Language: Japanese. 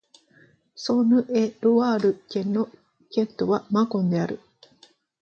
ソーヌ＝エ＝ロワール県の県都はマコンである